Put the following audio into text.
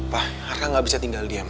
pak arka gak bisa tinggal diam